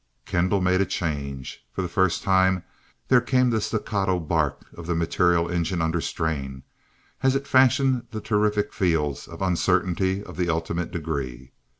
Kendall made a change. For the first time there came the staccato bark of the material engine under strain, as it fashioned the terrific fields of "Uncertainty of the Ultimate Degree."